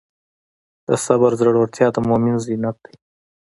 د صبر زړورتیا د مؤمن زینت دی.